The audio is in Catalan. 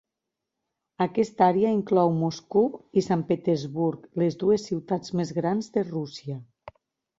Aquesta àrea inclou Moscou i Sant Petersburg, les dues ciutats més grans de Rússia.